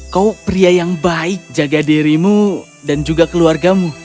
kau pria yang baik jaga dirimu dan juga keluargamu